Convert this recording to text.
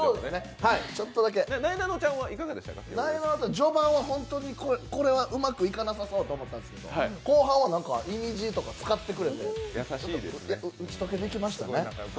序盤はうまくいかなさそうと思ったんですけど後半は、いみじとか使ってくれて打ち解けてきましたね。